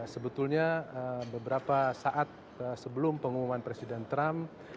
sebetulnya beberapa saat sebelum pengumuman presiden trump